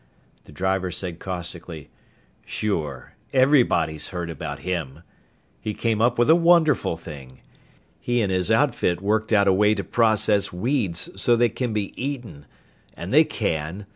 The driver said caustically, "Sure! Everybody's heard about him! He came up with a wonderful thing! He and his outfit worked out a way to process weeds so they can be eaten. And they can.